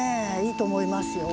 いいと思いますよ。